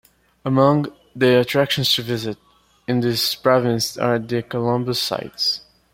Among the attractions to visit in this province are the Columbus sites.